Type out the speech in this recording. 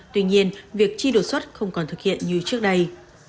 tuy nhiên việc chi đột xuất không còn thực hiện như trước đây